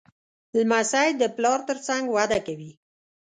لمسی د پلار تر څنګ وده کوي.